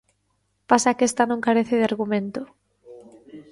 Pasa que esta non carece de argumento.